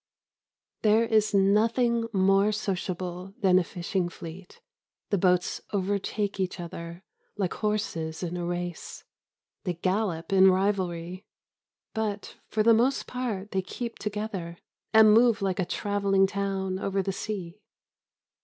There is nothing more sociable than a fishing fleet. The boats overtake each other, like horses in a race. They gallop in rivalry. But for the most part they keep together, and move like a travelling town over the sea.